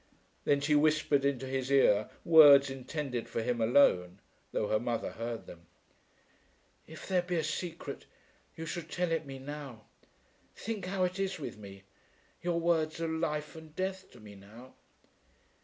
Then she whispered into his ear words intended for him alone, though her mother heard them. "If there be a secret you should tell it me now. Think how it is with me. Your words are life and death to me now."